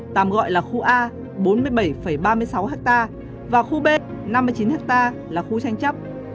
tạm gọi là khu a bốn mươi bảy ba mươi sáu ha và khu b năm mươi chín ha là khu tranh chấp